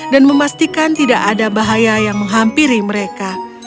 dan memastikan tidak ada bahaya yang menghampiri mereka